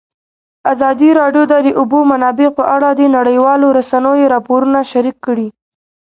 ازادي راډیو د د اوبو منابع په اړه د نړیوالو رسنیو راپورونه شریک کړي.